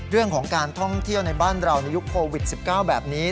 เรื่องของการท่องเที่ยวในบ้านเราในยุคโควิด๑๙แบบนี้